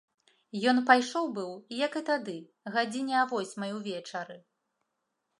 Ён пайшоў быў, як і тады, гадзіне а восьмай увечары.